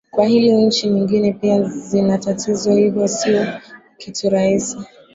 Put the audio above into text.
kwa hili nchi nyingine pia zina tatizo hivyo sio kitu rahisi